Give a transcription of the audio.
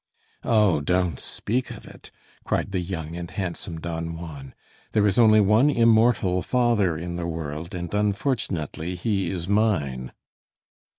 "Oh, don't speak of it!" cried the young and handsome Don Juan. "There is only one immortal father in the world, and unfortunately he is mine!"